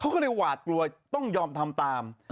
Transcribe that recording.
เขาก็เลยหวาดกลัวต้องยอมทำตาม